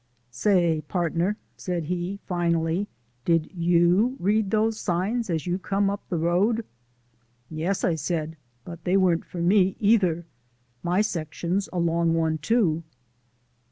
"Say, partner," said he, finally, "did YOU read those signs as you come up the road?" "Yes," I said, "but they weren't for me, either. My section's a long one, too."